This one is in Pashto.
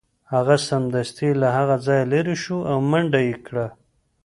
هغه سمدستي له هغه ځایه لیرې شو او منډه یې کړه